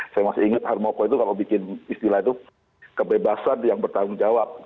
saya masih ingat harmoko itu kalau bikin istilah itu kebebasan yang bertanggung jawab